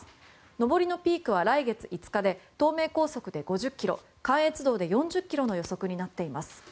上りのピークは来月５日で東名高速で４０ｋｍ関越道で４０ｋｍの予測になっています。